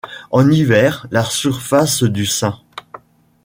En hiver, la surface du St.